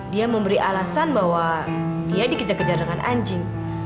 dia memberi alasan bahwa dia dikejar kejar dengan anjing